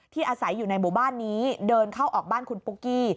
อาศัยอยู่ในหมู่บ้านนี้เดินเข้าออกบ้านคุณปุ๊กกี้